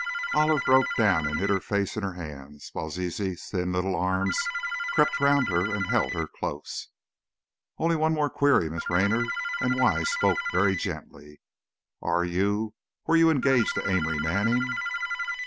Olive broke down and hid her face in her hands, while Zizi's thin little arms crept round her and held her close. "Only one more query, Miss Raynor," and Wise spoke very gently; "are you, were you engaged to Amory Manning?"